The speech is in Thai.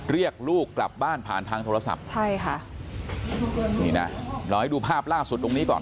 เรียกลูกกลับบ้านผ่านทางโทรศัพท์ใช่ค่ะนี่นะเราให้ดูภาพล่าสุดตรงนี้ก่อน